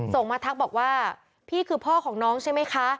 ส่งมาทักบอกว่าพี่คือพ่อของน้องใช่ไหมคะ